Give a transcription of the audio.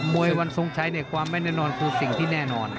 มวยวันทรงชัยความแน่นอนคือสิ่งที่แน่นอน